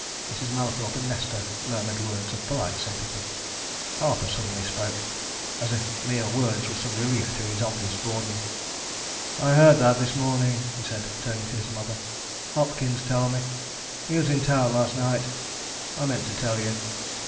Mrs. Mallathorpe and Nesta murmured words of polite sympathy. Harper suddenly spoke as if mere words were some relief to his obvious boredom. "I heard that, this morning," he said, turning to his mother. "Hopkins told me he was in town last night. I meant to tell you."